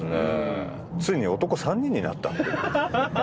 ついに男３人になったっていう。